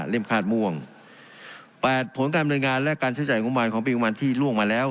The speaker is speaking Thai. เล่มคาดม่วงแปดผลการบริญญาณและการใช้จ่ายงบมานของปีงบมานที่ล่วงมาแล้ว